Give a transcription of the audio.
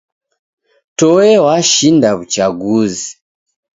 Toe washinda w'uchaguzi.